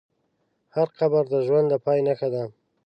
هر قبر د ژوند د پای نښه ده.